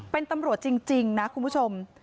เป็นตำรวจจริงนะคุณผู้ชม